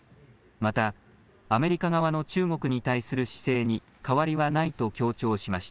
またアメリカ側の中国に対する姿勢に変わりはないと強調しました。